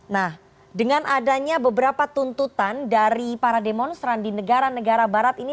nah dengan adanya beberapa tuntutan dari para demonstran di negara negara barat ini